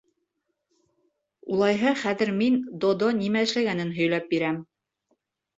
Улайһа, хәҙер мин Додо нимә эшләгәнен һөйләп бирәм.